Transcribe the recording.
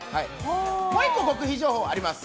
もう１個、極秘情報があります。